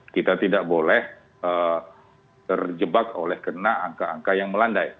kita tidak boleh terjebak oleh kena angka angka yang melandai